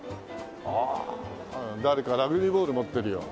ああ誰かラグビーボール持ってるよ。